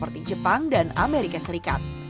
seperti jepang dan amerika serikat